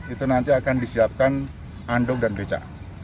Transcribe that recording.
itu nanti akan disiapkan andok dan beca